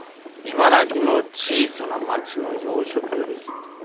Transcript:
茨城の小さな町の洋食屋です。